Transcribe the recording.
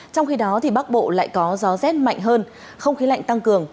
trong khi đó bắc bộ lại có gió rét mạnh hơn không khí lạnh tăng cường